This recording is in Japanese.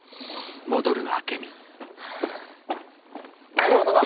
何事だ。